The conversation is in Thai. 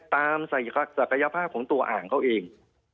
ศักยภาพของตัวอ่างเขาเอง